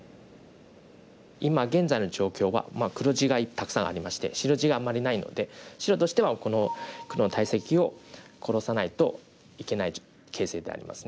今現在の状況は黒地がたくさんありまして白地があんまりないので白としてはこの黒の大石を殺さないといけない形勢でありますね。